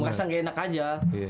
merasa nggak enak aja